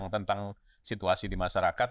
tentang situasi di masyarakat